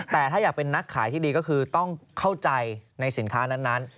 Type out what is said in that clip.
แต่ถ้าอยากเป็นนักขายที่ดีก็คือต้องเข้าใจในสินค้านั้น